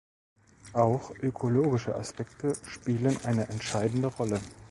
Auch ökologische Aspekte spielen eine entscheidende Rolle.